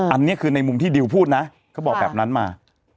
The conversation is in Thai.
อันนี้คือในมุมที่ดิวก็บอกแบบนั้นมา